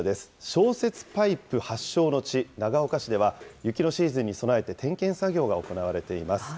消雪パイプ発祥の地、長岡市では、雪のシーズンに備えて点検作業が行われています。